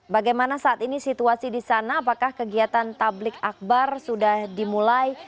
bagaimana saat ini situasi di sana apakah kegiatan tablik akbar sudah dimulai